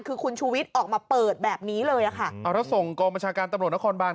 คือคุณชูวิทย์ออกมาเปิดแบบนี้เลยอ่ะค่ะเอาแล้วส่งกองบัญชาการตำรวจนครบาน